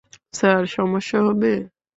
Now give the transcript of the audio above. Sir, সমস্যা হবে।